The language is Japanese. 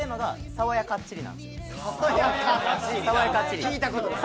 「爽やかっちり」。